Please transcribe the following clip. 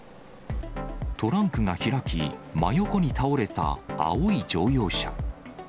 トランクが開き、真横に倒れた青い乗用車。